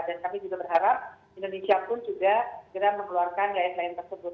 dan kami juga berharap indonesia pun juga segera mengeluarkan guideline tersebut